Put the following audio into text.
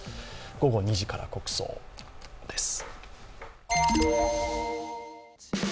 午後２時から国葬です。